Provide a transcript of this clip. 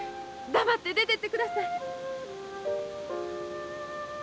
黙って出てってください。